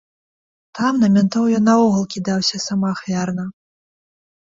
Там на мянтоў ён наогул кідаўся самаахвярна.